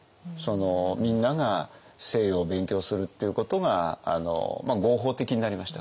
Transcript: みんなが西洋を勉強するっていうことが合法的になりましたから。